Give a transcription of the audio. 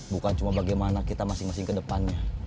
bukan cuma bagaimana kita masing masing ke depannya